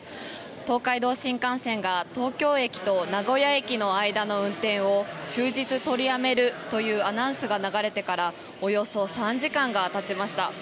東海道新幹線が東京駅と名古屋駅の間の運転を終日取りやめるというアナウンスが流れてからおよそ３時間が経ちました。